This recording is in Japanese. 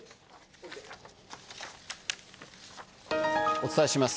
お伝えします。